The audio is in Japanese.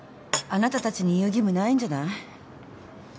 あなたたちに言う義務ないんじゃない？